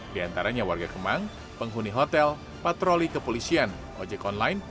di antaranya warga kemang penghuni hotel patroli kepolisian ojek online